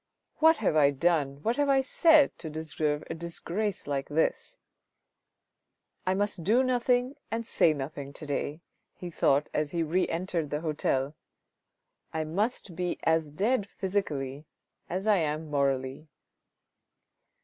" What have I done, what have I said to deserve a disgrace like this ?"" I must do nothing and say nothing to day," he thought as he re entered the hotel. " I must be as dead physically as I am morally."